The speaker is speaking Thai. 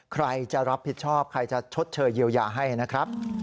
ใครจะรับผิดชอบใครจะชดเชยเยียวยาให้นะครับ